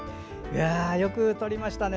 よく撮りましたね。